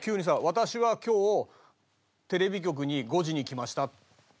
私は今日テレビ局に５時に来ましたって。